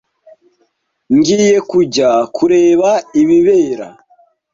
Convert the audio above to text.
Ngiye kujya kureba ibibera.